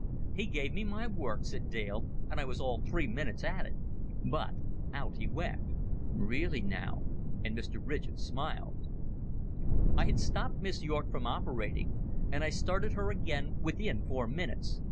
"He gave me my work," said Dale; "and I was all three minutes at it. But out he went." "Really now!" and Mr. Ridgett smiled. "I had stopped Miss Yorke from operating. And I started her again within four minutes.